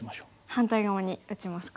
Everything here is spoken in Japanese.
反対側に打ちますか。